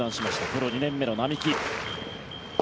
プロ２年目の並木。